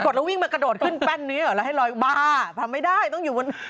เราวิ่งมากระโดดขึ้นแป้นนี้เหรอแล้วให้ลอยบ้าทำไม่ได้ต้องอยู่บน